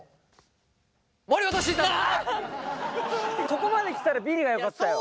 ここまで来たらビリがよかったよ。